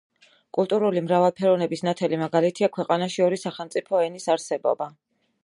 კულტურული მრავალფეროვნების ნათელი მაგალითია ქვეყანაში ორი სახელმწიფო ენის არსებობა.